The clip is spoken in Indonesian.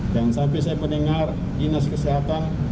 dan sampai saya mendengar dinas kesehatan